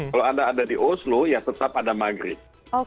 kalau anda ada di oslo ya tetap ada maghrib